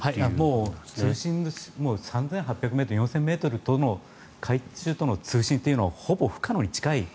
もう通信３８００ｍ、４０００ｍの海中との通信はほぼ不可能に近い。